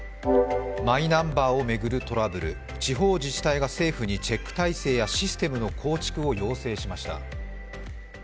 マイナンバーを巡るトラブル、地方自治体が政府にチェック体制やシステムの構築を要請しました。